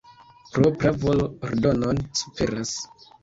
Propra volo ordonon superas.